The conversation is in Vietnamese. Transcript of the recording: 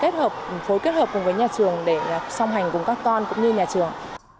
phối kết hợp cùng với nhà trường để song hành cùng các con cũng như nhà trường